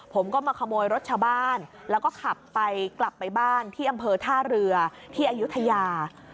ผมก็มาขโมยรถชาวบ้านแล้วก็ขับไปกลับไปบ้านที่อำเภอท่าเรือที่อายุทยา